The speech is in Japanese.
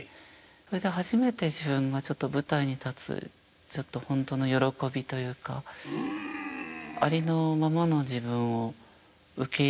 それで初めて自分が舞台に立つちょっと本当の喜びというかありのままの自分を受け入れてもらったような気がしまして。